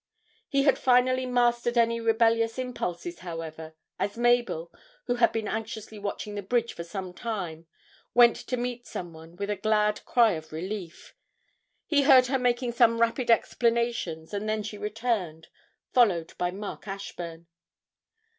He had finally mastered any rebellious impulses, however, as Mabel, who had been anxiously watching the bridge for some time, went to meet someone with a glad cry of relief. He heard her making some rapid explanations, and then she returned, followed by Mark Ashburn.